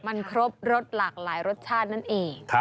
มันครบรสหลากหลายรสชาตินั่นเอง